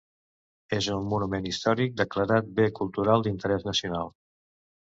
És un monument històric declarat bé cultural d'interès nacional.